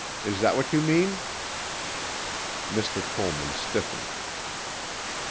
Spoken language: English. Is that what you mean?" Mr. Tollman stiffened.